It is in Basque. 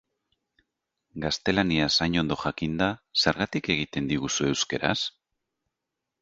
Gaztelaniaz hain ondo jakinda, zergatik egiten diguzu euskaraz?